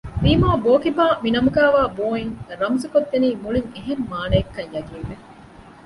ވީމާ ބޯކިބާ މިނަމުގައިވާ ބޯ އިން ރަމުޒުކޮށްދެނީ މުޅިން އެހެން މާނައެއްކަން ޔަޤީން ވެ